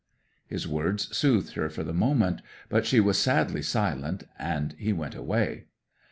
'His words soothed her for the moment, but she was sadly silent, and he went away.